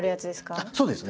あっそうですね。